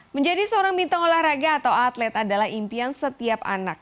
menjadi seorang bintang olahraga atau atlet adalah impian setiap anak